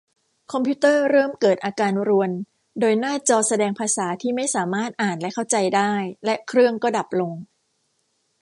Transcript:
คอมพิวเตอร์เริ่มเกิดอาการรวนโดยหน้าจอแสดงภาษาที่ไม่สามารถอ่านและเข้าใจได้ และเครื่องก็ดับลง